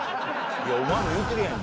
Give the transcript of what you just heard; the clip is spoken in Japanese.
いや、お前も言うてるやん！